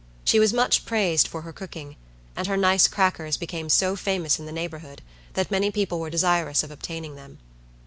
She was much praised for her cooking; and her nice crackers became so famous in the neighborhood that many people were desirous of obtaining them.